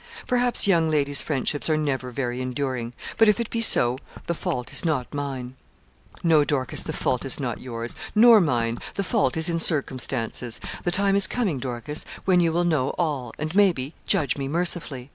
Perhaps young ladies' friendships are never very enduring; but, if it be so, the fault is not mine.' 'No, Dorcas, the fault is not yours, nor mine. The fault is in circumstances. The time is coming, Dorcas, when you will know all, and, maybe, judge me mercifully.